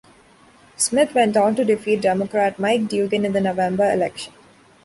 Smith went on to defeat Democrat Mike Dugan in the November election.